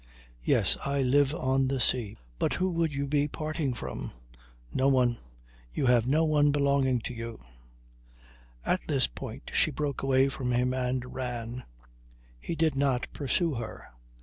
Yes, I live on the sea. But who would you be parting from? No one. You have no one belonging to you." At this point she broke away from him and ran. He did not pursue her.